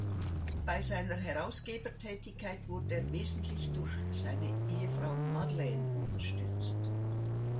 Bei seiner Herausgebertätigkeit wurde er wesentlich durch seine Ehefrau Madeleine unterstützt.